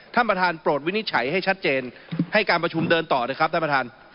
ท่านประธานโปรดวินิจฉัยให้ชัดเจนให้การประชุมเดินต่อนะครับท่านประธาน